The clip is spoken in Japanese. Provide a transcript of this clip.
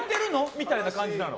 みたいな感じなの。